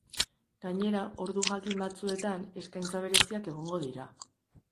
Gainera, ordu jakin batzuetan, eskaintza bereziak egongo dira.